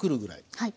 はい。